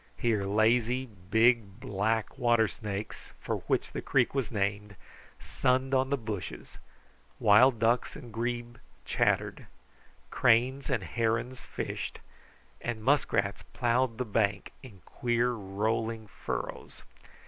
Here lazy, big, black water snakes, for which the creek was named, sunned on the bushes, wild ducks and grebe chattered, cranes and herons fished, and muskrats plowed the bank in queer, rolling furrows.